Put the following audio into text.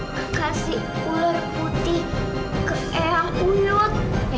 kasih ular putih ke eyang uyot